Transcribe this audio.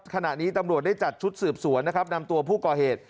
ขณะนี้ตำรวจได้จัดชุดสืบสวนนะครับนำตัวผู้ก่อเหตุ